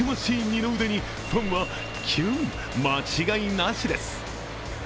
二の腕にファンはキュン間違いなしです。